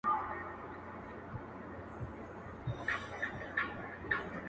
o شېخ سره وښورېدی زموږ ومخته کم راغی.